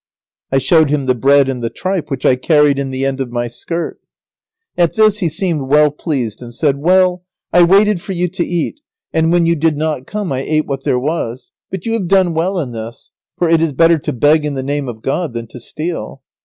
I showed him the bread and the tripe, which I carried in the end of my skirt. At this he seemed well pleased and said, "Well, I waited for you to eat, and when you did not come I ate what there was, but you have done well in this, for it is better to beg in the name of God than to steal.